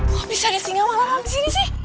kok bisa ada singa malam malam disini sih